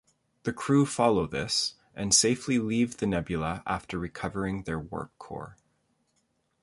The crew follow this, and safely leave the nebula after recovering their warp core.